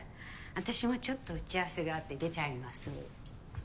私もちょっと打ち合わせがあって出ちゃいます。